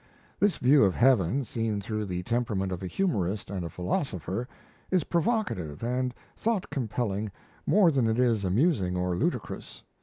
This view of heaven, seen through the temperament of a humorist and a philosopher, is provocative and thought compelling more than it is amusing or ludicrous.